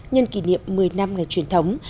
nhân kỷ niệm một mươi năm ngày truyền thống